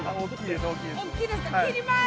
切ります！